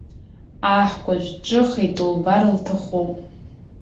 Аҳкәажә дҿыхеит, улбар лҭахуп!